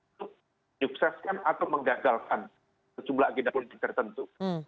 untuk menyukseskan atau menggagalkan sejumlah agenda politik tertentu